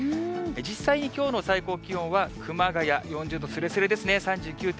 実際にきょうの最高気温は、熊谷４０度すれすれですね、３９．５度。